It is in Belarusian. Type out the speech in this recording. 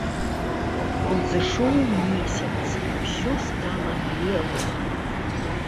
Узышоў месяц, усё стала белым.